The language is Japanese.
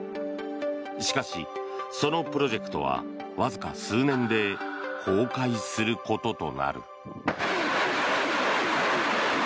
しかし、そのプロジェクトはわずか数年で崩壊することとなる。